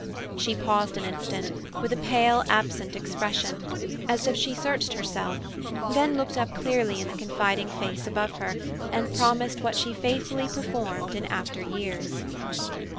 She paused an instant, with a pale, absent expression, as if she searched herself, then looked up clearly in the confiding face above her, and promised what she faithfully performed in afteryears.